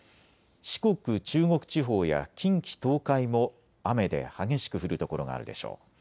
四国、中国地方や近畿、東海も雨で激しく降る所があるでしょう。